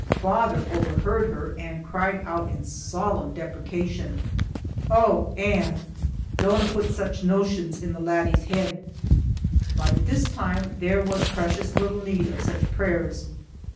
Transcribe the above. Father overheard her and cried out in solemn deprecation, "Oh, Anne! dinna put sic notions in the laddie's heed." But at this time there was precious little need of such prayers.